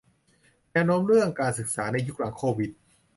แนวโน้มเรื่องการศึกษาในยุคหลังโควิด